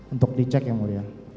untuk dicek ya muridnya